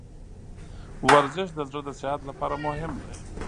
ورزش د زړه د صحت لپاره مهم دی.